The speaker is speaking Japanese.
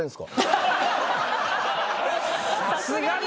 さすがに。